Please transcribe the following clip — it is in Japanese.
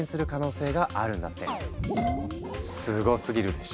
すごすぎるでしょ。